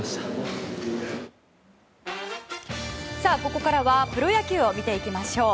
ここからはプロ野球を見ていきましょう。